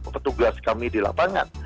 petugas kami di lapangan